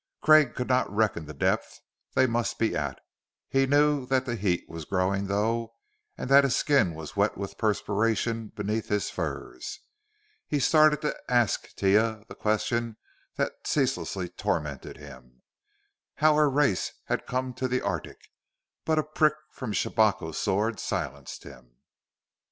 Craig could not reckon the depth they must be at; he knew that the heat was growing, though, and that his skin was wet with perspiration beneath his furs. He started to ask Taia the question that ceaselessly tormented him how her race had come to the arctic; but a prick from Shabako's sword silenced him.